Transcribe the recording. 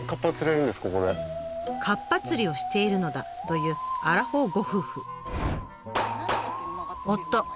かっぱ釣りをしているのだというアラフォーご夫婦。